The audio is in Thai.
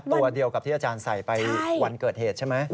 ตัวเดียวกับที่อาจารย์ใส่ไปวันเกิดเหตุใช่ไหม